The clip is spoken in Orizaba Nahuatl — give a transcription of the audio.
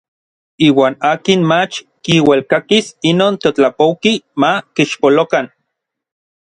Iuan akin mach kiuelkakis inon teotlapouki ma kixpolokan.